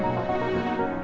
aku mau ke rumah sakit